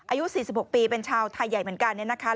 อายุ๔๖ปีเป็นชาวไทยใหญ่เหมือนกัน